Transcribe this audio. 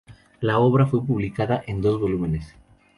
La obra fue publicada en dos volúmenes.